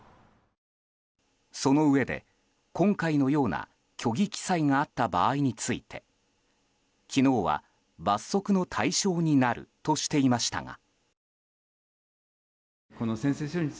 そのうえで今回のような虚偽記載があった場合について昨日は罰則の対象になるとしていましたが。